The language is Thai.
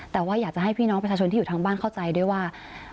แต่ว่าอยากจะให้พี่น้องประชาชนที่อยู่ทางบ้านเข้าใจด้วยว่า